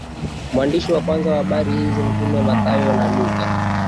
mwandishi wa kwanza wa habari hizo Mtume Mathayo na Luka